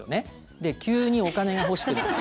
で、急にお金が欲しくなって。